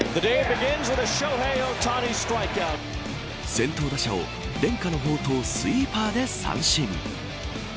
先頭打者を伝家の宝刀スイーパーで三振。